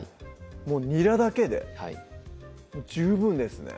もうにらだけで十分ですね